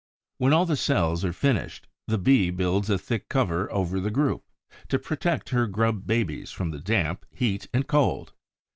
] When all the cells are finished, the Bee builds a thick cover over the group, to protect her grub babies from damp, heat and cold.